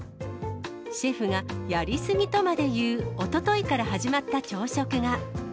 シェフがやり過ぎとまで言うおとといから始まった朝食が。